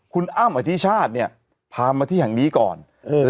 คุณอ้ำอธิชาติเนี่ยพามาที่แห่งนี้ก่อน